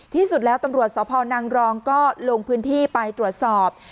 ที่สุดแล้วตำรวจสพนังรองก็ลงพื้นที่ไปตรวจสอบ